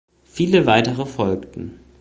Viele weitere folgten.